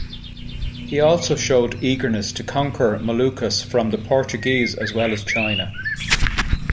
He also showed eagerness to conquer Moluccas from the Portuguese as well as China.